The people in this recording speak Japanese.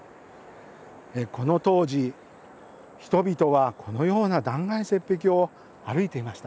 この当時人々はこのような断崖絶壁を歩いていました。